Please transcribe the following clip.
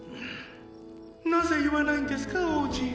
なぜ言わないんですか王子。